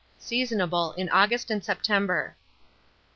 Seasonable in August and September.